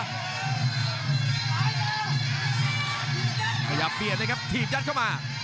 พยายามเปลี่ยนได้ครับถีบยัดเข้ามา